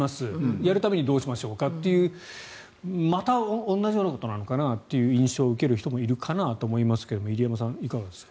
やるためにどうしましょうかというまた同じようなことなのかなという印象を受ける人もいるかなと思いますが入山さん、いかがですか。